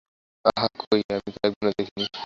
আহা, কই, আমি তো একদিনও দেখি নি!